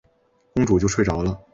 公主就睡着了。